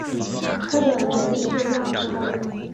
他的儿子是亚拉瓦。